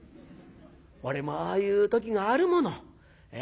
俺もああいう時があるもの。